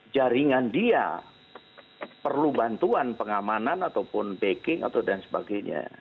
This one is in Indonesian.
jaringan dia perlu bantuan pengamanan ataupun backing atau dan sebagainya